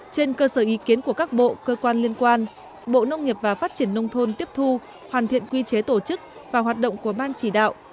trên cơ sở ý kiến của các bộ cơ quan liên quan bộ nông nghiệp và phát triển nông thôn tiếp thu hoàn thiện quy chế tổ chức và hoạt động của ban chỉ đạo